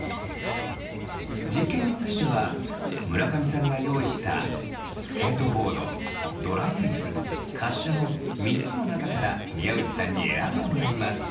実験については村上さんが用意したスケートボードドライアイス滑車の３つの中から宮内さんに選んでもらいます。